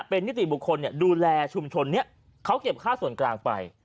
เป็นนิติบุคคลดูแลชุมชนนี้เขาเก็บค่าส่วนกลางไป